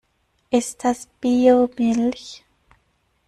Ist das Biomilch?